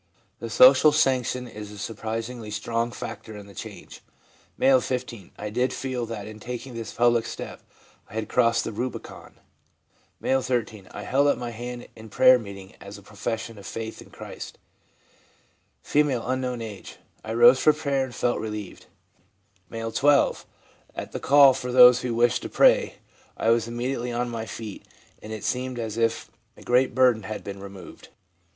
The social sanction is a surprisingly strong factor in the change. M., 15. 'I did feel that in taking this public step I had crossed the Rubicon/ M., 13. 'I held up my hand in prayer meeting as a profession of faith in Christ/ R, —.' I rose for prayer and felt relieved/ M., 12. ' At the call for those who wished prayer, I was immediately on my feet, and it seemed as if a great burden had been removed.'